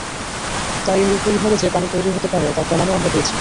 তাই এর উপরিভাগে যে পানি তৈরী হতে পারে তার প্রমাণও আমরা পেয়েছি।